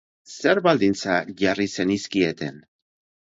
Zer baldintza jarri zenizkieten?